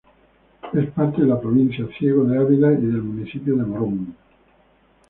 Es parte de la provincia Ciego de Ávila y del municipio de Morón.